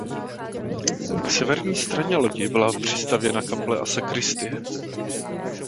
K severní straně lodi byla přistavěna kaple a sakristie.